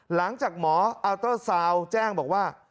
หลังจากหมออัลเตอร์ซาวน์แจ้งบอกว่า